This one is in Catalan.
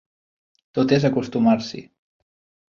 Tot és acostumar-s'hi.